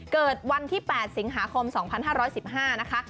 เกิดวันที่๘สิงหาคม๒๕๑๕นะคะ